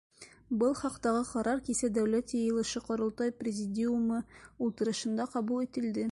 Был хаҡтағы ҡарар кисә Дәүләт Йыйылышы — Ҡоролтай Президиумы ултырышында ҡабул ителде.